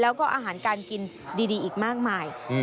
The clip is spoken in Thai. แล้วก็อาหารการกินดีอีกมากมาย